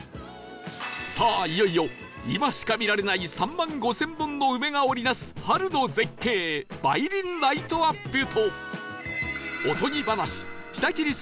さあいよいよ今しか見られない３万５０００本の梅が織り成す春の絶景梅林ライトアップとおとぎ話『舌切り雀』の舞台